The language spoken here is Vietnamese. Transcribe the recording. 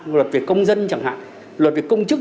luật về công dân chẳng hạn luật về công chức